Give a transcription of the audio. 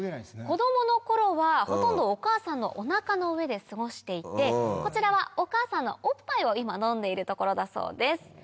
子供の頃はほとんどお母さんのお腹の上で過ごしていてこちらはお母さんのおっぱいを今飲んでいるところだそうです。